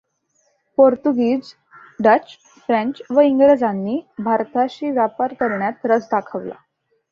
पोर्तुगीज, Dutch, French व इंग्रजांनी भारताशी व्यापार करण्यात रस दाखवला.